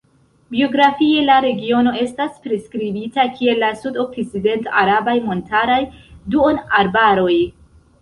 Biogeografie la regiono estas priskribita kiel la sudokcident-arabaj montaraj duonarbaroj.